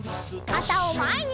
かたをまえに！